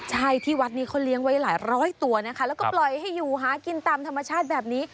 ใช่ที่วัดนี้เขาเลี้ยงไว้หลายร้อยตัวนะคะแล้วก็ปล่อยให้อยู่หากินตามธรรมชาติแบบนี้